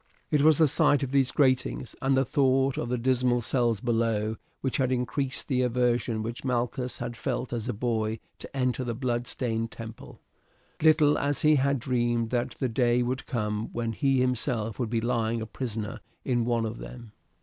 It was the sight of these gratings, and the thought of the dismal cells below, which had increased the aversion which Malchus had felt as a boy to enter the bloodstained temple, little as he had dreamed that the day would come when he himself would be lying a prisoner in one of them.